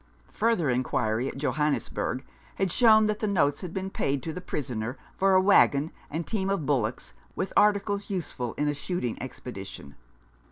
Further inquiry at Johannesburg had shown that the notes had been paid to the prisoner for a waggon and team of bullocks, with articles useful in a shooting expedition.